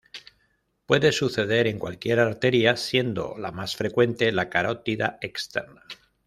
Puede suceder en cualquier arteria siendo la más frecuente la carótida externa.